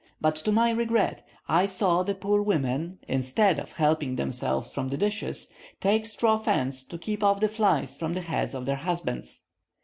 But to my regret I saw the poor women, instead of helping themselves from the dishes, take straw fans to keep off the flies from the heads of their husbands.